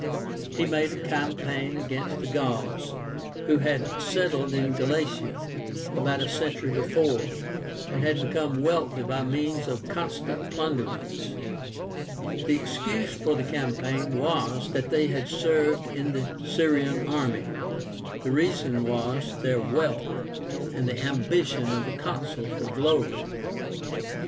He made a campaign against the Gauls, who had settled in Galatia about a century before, and had become wealthy by means of constant plunderings. The excuse for the campaign was, that they had served in the Syrian army; the reason was, their wealth, and the ambition of the Consul for glory.